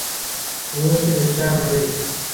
اوس چي د چا نرۍ